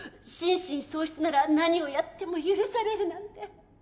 心神喪失なら何をやっても許されるなんて。